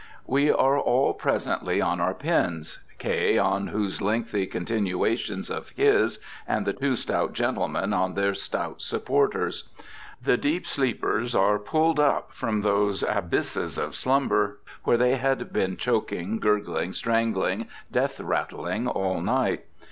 We are all presently on our pins, K. on those lengthy continuations of his, and the two stout gentlemen on their stout supporters. The deep sleepers are pulled up from those abysses of slumber where they had been choking, gurgling, strangling, death rattling all night.